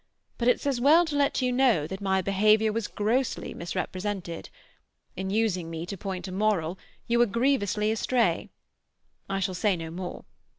But it's as well to let you know that my behaviour was grossly misrepresented. In using me to point a moral you were grievously astray. I shall say no more.